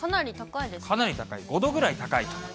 かなり高い、５度くらい高いと。